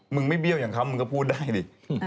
มึงไม่เบี้ยวอย่างเขามึงก็พูดได้ดิ